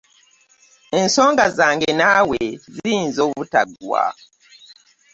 Ensonga zange naawe ziyinza obutaggwa.